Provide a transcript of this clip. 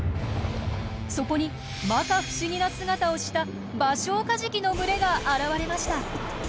そこにまか不思議な姿をしたバショウカジキの群れが現れました。